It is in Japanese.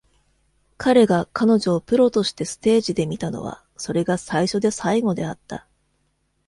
彼が彼女をプロとしてステージで見たのはそれが最初で最後であった。